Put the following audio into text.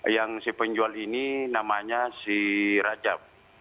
yang si penjual ini namanya si rajab